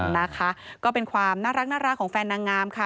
นะคะก็เป็นความน่ารักของแฟนนางงามค่ะ